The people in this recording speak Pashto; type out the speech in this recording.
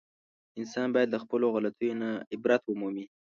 انسان باید له خپلو غلطیو نه عبرت و مومي.